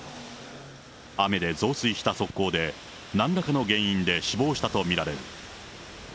雨で増水した側溝で、なんらかの原因で死亡したと見られる。